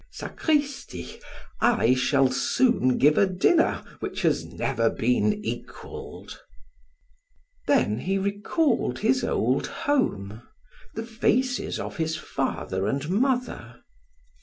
Sacristi, I shall soon give a dinner which has never been equaled!" Then he recalled his old home, the faces of his father and mother.